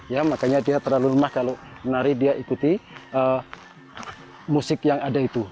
ya makanya dia terlalu lemah kalau menari dia ikuti musik yang ada itu